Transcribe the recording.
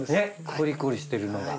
コリコリしてるのが。